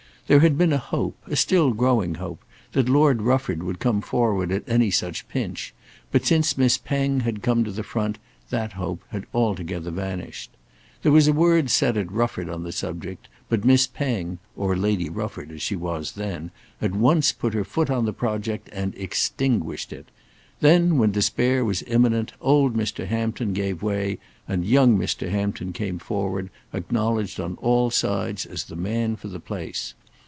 There had been a hope, a still growing hope, that Lord Rufford would come forward at any such pinch; but since Miss Penge had come to the front that hope had altogether vanished. There was a word said at Rufford on the subject, but Miss Penge, or Lady Rufford as she was then, at once put her foot on the project and extinguished it. Then, when despair was imminent, old Mr. Hampton gave way, and young Hampton came forward, acknowledged on all sides as the man for the place.